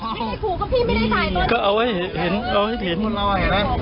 ไม่ได้คู่ก็พี่ไม่ได้ถ่ายตัวเองก็เอาไว้เห็นเอาไว้เห็น